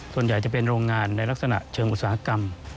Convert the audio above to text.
ส่วนใหญ่จะเป็นโรงงานในลักษณะเชิงอุตสาหกรรม